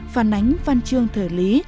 phản ánh văn chương thời lý